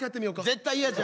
絶対嫌じゃ。